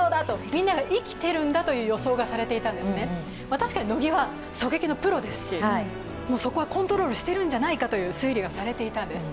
確かに乃木は狙撃のプロですしそこはコントロールしているんじゃないかという推測があったんです。